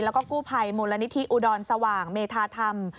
แล้วก็กู้ภัยมูลนิธิอุดรสว่างเมธาธรรม